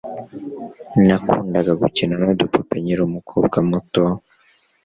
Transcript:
Nakundaga gukina nudupupe nkiri umukobwa muto.